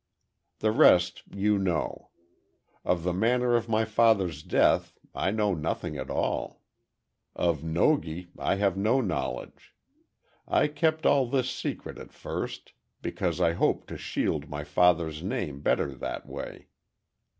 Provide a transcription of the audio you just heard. "The rest you know. Of the manner of my father's death, I know nothing at all. Of Nogi, I have no knowledge. I kept all this secret at first, because I hoped to shield my father's name better that way.